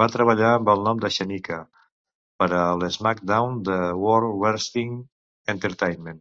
Va treballar amb el nom de Shaniqua per a l'SmackDown! de World Wrestling Entertainment.